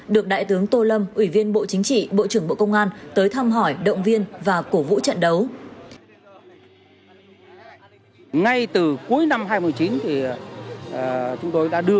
được đại tướng tô lâm ủy viên bộ chính trị bộ trưởng bộ công an tới thăm hỏi động viên và cổ vũ trận đấu